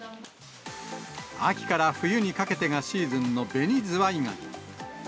秋から冬にかけてがシーズンのベニズワイガニ。